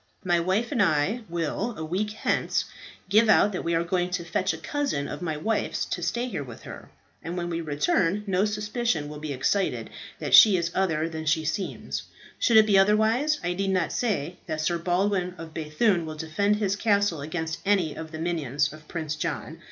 My wife and I will, a week hence, give out that we are going to fetch a cousin of my wife's to stay here with her; and when we return no suspicion will be excited that she is other than she seems. Should it be otherwise, I need not say that Sir Baldwin of B‚thune will defend his castle against any of the minions of Prince John.